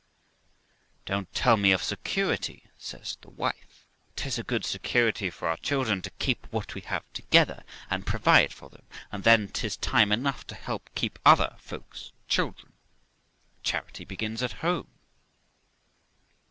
'Don't tell me of security', says the wife, ''tis a good security for our children to keep what we have together, and provide for them, and then 'tis time enough to help keep other folks' children. Charity begins at home.'